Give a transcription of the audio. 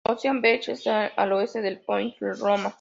Ocean Beach está al oeste de Point Loma.